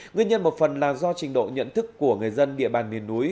nguyên nhân một phần là do trình độ nhận thức của người dân địa bàn miền núi